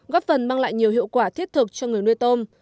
góp phần mang lại nhiều hiệu quả thiết thực cho người nuôi tôm